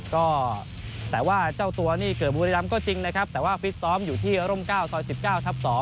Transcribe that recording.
ก็แต่ว่าเจ้าตัวนี่เกิดบุรีรำก็จริงนะครับแต่ว่าฟิตซ้อมอยู่ที่ร่ม๙ซอย๑๙ทับ๒